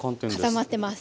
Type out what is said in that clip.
固まってます。